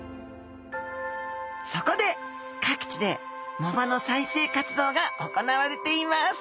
そこで各地で藻場の再生活動が行われています。